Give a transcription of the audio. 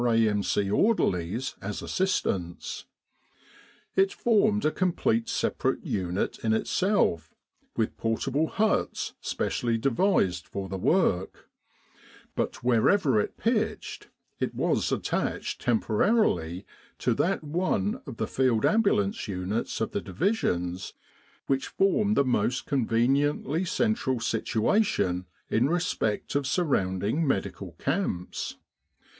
A.M.C. orderlies as assistants. It formed a com plete separate unit in itself, with portable huts specially devised for the work; but wherever it pitched, it was attached temporarily to that one of the Field Ambulance units of the divisions which formed the most conveniently central situation in respect of surrounding medical camps.